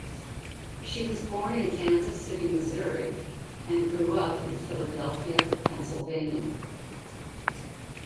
She was born in Kansas City, Missouri, and grew up in Philadelphia, Pennsylvania.